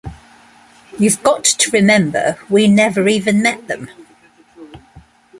You've got to remember, we never even met them.